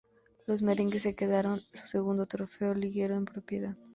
Los "merengues" se quedaron su segundo trofeo liguero en propiedad.